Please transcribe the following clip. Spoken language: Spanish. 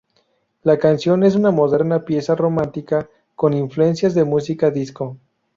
La canción es una moderna pieza romántica con influencias de música disco.